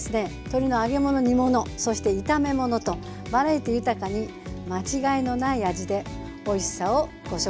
鶏の揚げ物煮物そして炒め物とバラエティー豊かに間違いのない味でおいしさをご紹介したいと思います。